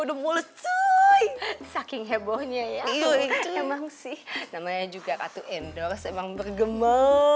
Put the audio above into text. udah mulut cuy saking hebohnya ya emang sih namanya juga kata endorse emang bergema